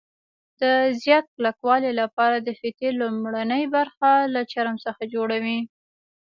د زیات کلکوالي لپاره د فیتې لومړنۍ برخه له چرم څخه جوړوي.